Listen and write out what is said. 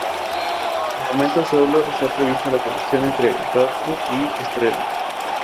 De momento sólo está prevista la conexión entre Rato y Estrela.